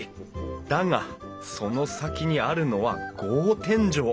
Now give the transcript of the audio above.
だがその先にあるのは格天井！